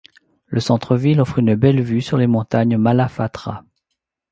Le centre-ville offre une belle vue sur les montagnes Malá Fatra.